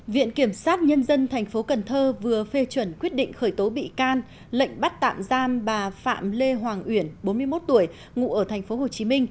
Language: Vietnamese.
viện kiểm sát nhân dân tp cần thơ vừa phê chuẩn quyết định khởi tố bị can lệnh bắt tạm giam bà phạm lê hoàng uyển bốn mươi một tuổi ngụ ở tp hcm